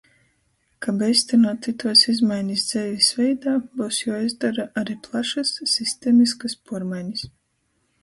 Kab eistynuotu ituos izmainis dzeivis veidā, byus juoizdora ari plašys sistemiskys puormainis.